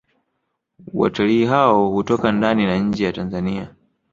Wataii hao hutoka ndani na nje ya Tanzania